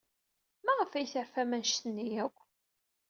Maɣef ay terfam anect-nni akk?